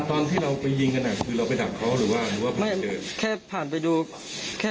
ตอนที่เราไปยิงกันคือเราไปถามเขาหรือว่ารู้ว่าบาร์ดเฉย